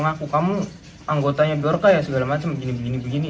ngaku kamu anggotanya berkaya segala macam gini begini begini